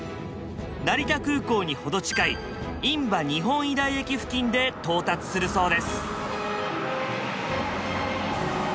成田空港に程近い印旛日本医大駅付近で到達するそうです。